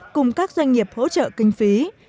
cùng các doanh nghiệp hỗ trợ kinh phí